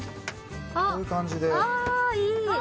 こういう感じであっあっいい！